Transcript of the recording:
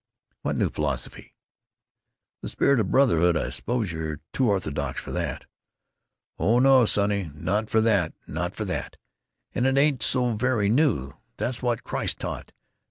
"What new philosophy?" "The spirit of brotherhood. I suppose you're too orthodox for that!" "Oh no, sonny, not for that, not for that. And it ain't so very new. That's what Christ taught!